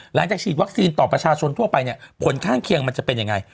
หลังจากฉีดวัคซีนต่อประชาชนทั่วไปเนี่ยผลข้างเคียงมันจะเป็นยังไง